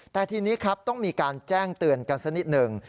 แต่ทีนี้ครับต้องมีการแจ้งเตือนกันสักนิดหนึ่ง